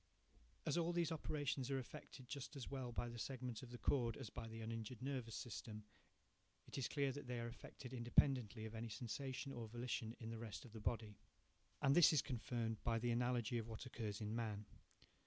As all these operations are effected just as well by the segment of the cord as by the uninjured nervous system, it is clear that they are effected independently of any sensation or volition in the rest of the body. And this is confirmed by the analogy of what occurs in man.